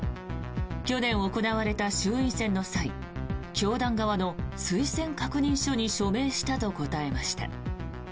去年行われた衆院選の際教団側の推薦確認書に署名したと答えました。